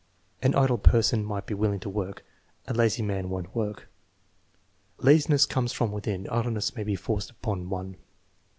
"An idle person might be willing to work; a lazy man won't work." " Laziness comes from within ; idleness may be forced upon one."